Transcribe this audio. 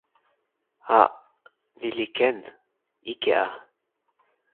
a. ni li ken. ike a.